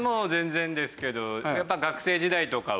やっぱ学生時代とかは。